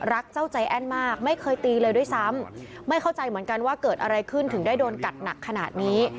เจ้าใจแอ้นมากไม่เคยตีเลยด้วยซ้ำไม่เข้าใจเหมือนกันว่าเกิดอะไรขึ้นถึงได้โดนกัดหนักขนาดนี้